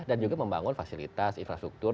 dan juga membangun fasilitas infrastruktur